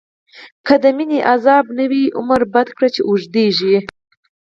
که دمينی عذاب نه وی، عمر بد کړی چی اوږديږی